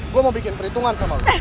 gue mau bikin perhitungan sama lo